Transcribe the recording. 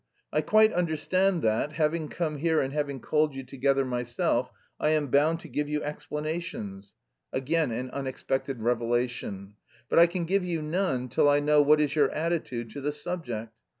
I quite understand that, having come here and having called you together myself, I am bound to give you explanations" (again an unexpected revelation), "but I can give you none till I know what is your attitude to the subject.